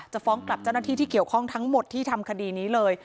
ฟ้องกลับเจ้าหน้าที่ที่เกี่ยวข้องทั้งหมดที่ทำคดีนี้เลย